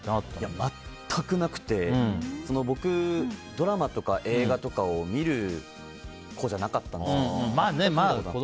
全くなくて僕、ドラマとか映画とかを見る子じゃなかったんです。